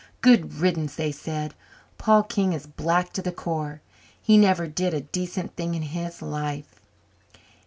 "Good riddance," they said. "Paul King is black to the core. He never did a decent thing in his life."